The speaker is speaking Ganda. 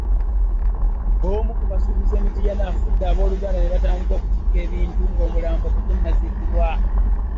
Omu ku basuubuzi e Mityana afudde ab'oluganda ne batandika kutikka bintu ng'omulambo tegunnaziikibwa.